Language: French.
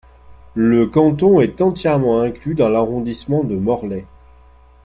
Le canton est entièrement inclus dans l'arrondissement de Morlaix.